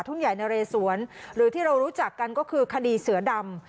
ใหญ่นะเรสวนหรือที่เรารู้จักกันก็คือคดีเสือดำ